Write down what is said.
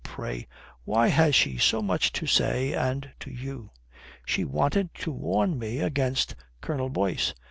Pray, why has she so much to say, and to you?" "She wanted to warn me against Colonel Boyce."